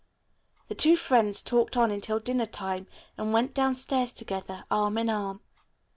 The two friends talked on until dinner time and went downstairs together, arm in arm.